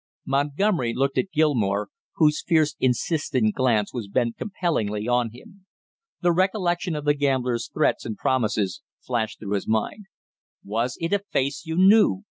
Montgomery looked at Gilmore, whose fierce insistent glance was bent compellingly on him. The recollection of the gambler's threats and promises flashed through his mind. "Was it a face you knew?"